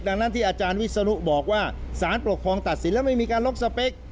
ดังนั้นที่อาจารย์วิศนุบอกว่าสารปกครองตัดสินแล้วไม่มีการล็อกสเปค